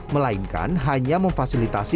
melainkan hanya memfasilitasi